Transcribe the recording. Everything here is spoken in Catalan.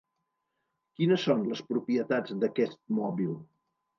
Quines són les propietats d'aquest mòbil?